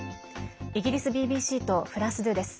イギリスＢＢＣとフランス２です。